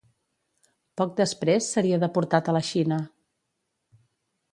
Poc després seria deportat a la Xina.